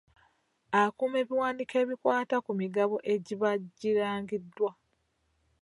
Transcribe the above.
Akuuma ebiwandiko ebikwata ku migabo egiba girangiddwa.